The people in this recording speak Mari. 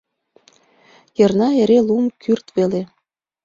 Йырна эре — лум кӱрт веле.